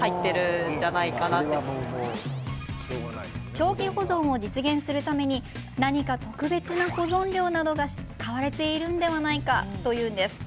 長期保存を実現するために何か特別な保存料などが使われているんじゃないかというんです。